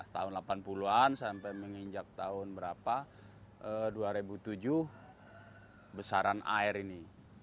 tahun delapan puluh an sampai menginjak tahun berapa dua ribu tujuh besaran air ini